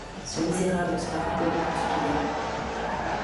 Ce misérable sera reconnu pour ce qu’il est...